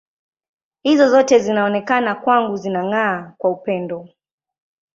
Hizo zote zinaonekana kwangu zinang’aa kwa upendo.